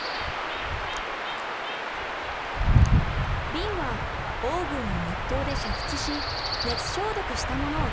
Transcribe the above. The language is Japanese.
瓶はオーブンや熱湯で煮沸し熱消毒したものを使う。